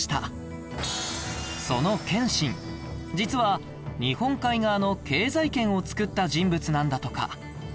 その謙信実は日本海側の経済圏を作った人物なんだとか